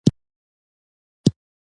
انا د ښو یادونو خزانه ده